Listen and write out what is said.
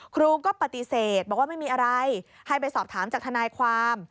ครูก็ปฏิเสธบอกว่าไม่มีอะไรให้ไปสอบถามจากทนายความ